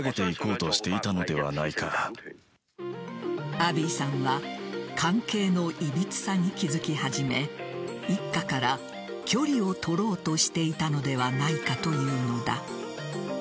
アビーさんは関係のいびつさに気づき始め一家から距離をとろうとしていたのではないかというのだ。